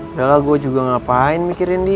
udah lah gue juga ngapain mikirin dia